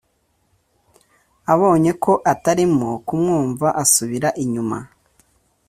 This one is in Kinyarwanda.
” Abonye ko atarimo kumwumva asubira inyuma